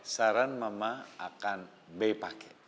saran mama akan b pakai